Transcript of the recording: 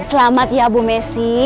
selamat ya bu messi